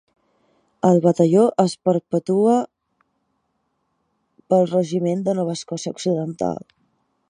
El batalló és perpetua pel Regiment de Nova Escòcia Occidental.